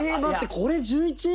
これ１１位？